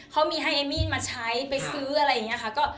เขามีให้เอมมี่มาใช้ไปซื้ออะไรอย่างนี้ค่ะ